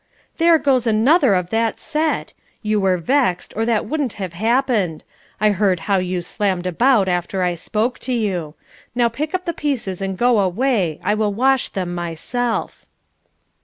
"There goes another of that set! You were vexed, or that wouldn't have happened. I heard how you slammed about after I spoke to you. Now pick up the pieces and go away. I will wash them myself."